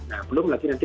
nah belum lagi nanti